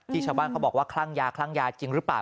ชาวบ้านเขาบอกว่าคลั่งยาคลั่งยาจริงหรือเปล่า